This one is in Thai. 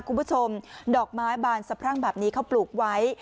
คุณผู้ชมดอกไม้บานสะพรั่งแบบนี้เขาปลูกไว้